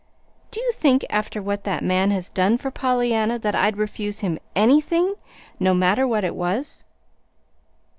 Do you think, after what that man has done for Pollyanna, that I'd refuse him ANYTHING no matter what it was?"